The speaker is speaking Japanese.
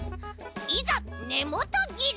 いざねもとぎり！